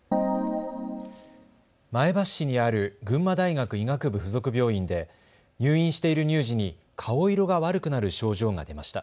前橋市にある群馬大学医学部附属病院で入院している乳児に顔色が悪くなる症状が出ました。